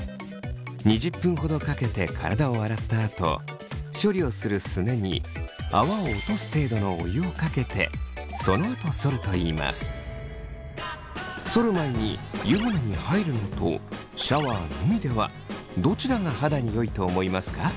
２０分ほどかけて体を洗ったあと処理をするすねにそる前に湯船に入るのとシャワーのみではどちらが肌によいと思いますか？